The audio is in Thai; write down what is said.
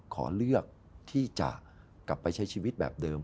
ขอเลือกที่จะกลับไปใช้ชีวิตแบบเดิม